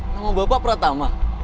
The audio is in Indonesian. nama bapak pratama